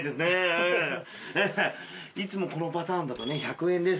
いつもこのパターンだとね「１００円です」